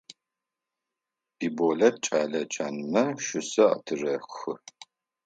Биболэт кӏэлэ чанмэ щысэ атырехы.